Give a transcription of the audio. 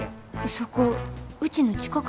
そこうちの近くです。